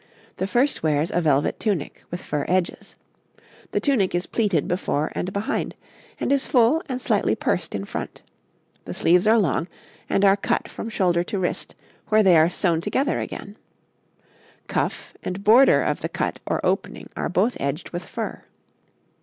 The first wears a velvet tunic, with fur edges. The tunic is pleated before and behind, and is full and slightly pursed in front; the sleeves are long, and are cut from shoulder to wrist, where they are sewn together again; cuff and border of the cut or opening are both edged with fur.